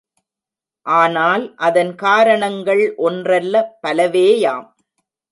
ஆனால், அதன் காரணங்கள் ஒன்றல்ல பலவேயாம்.